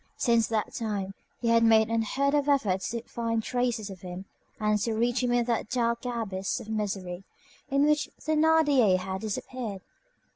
Since that time, he had made unheard of efforts to find traces of him and to reach him in that dark abyss of misery in which Thénardier had disappeared.